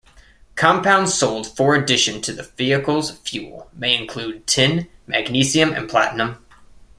Compounds sold for addition to the vehicle's fuel may include tin, magnesium and platinum.